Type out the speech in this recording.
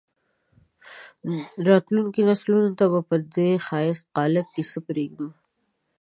راتلونکو نسلونو ته به په دې ښایسته قالب کې څه پرېږدو.